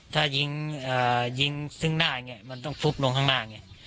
ถ้ายิงอ่ายิงซึ้งหน้าอย่างเงี้ยมันต้องปลุ๊บลงข้างหน้าอย่างเงี้ย